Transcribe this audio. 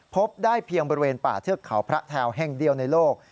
พบได้เพียงบริเวณป่าเทือกเขาพระแทวแห่งเดียวในโลก